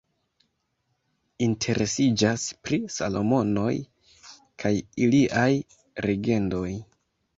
Interesiĝas pri Salomonoj kaj iliaj legendoj.